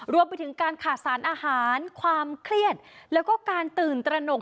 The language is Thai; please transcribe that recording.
รวมไปถึงการขาดสารอาหารความเครียดแล้วก็การตื่นตระหนก